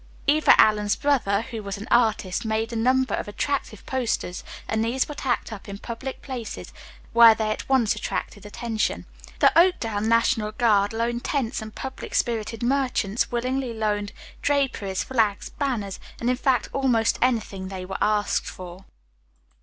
Eva Allen's brother, who was an artist, made a number of attractive posters and these were tacked up in public places where they at once attracted attention. The Oakdale National Guard loaned tents, and public spirited merchants willingly loaned draperies, flags, banners, and in fact, almost anything they were asked for.